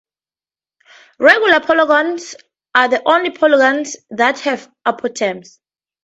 Regular polygons are the only polygons that have apothems.